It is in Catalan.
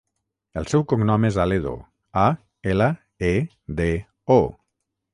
El seu cognom és Aledo: a, ela, e, de, o.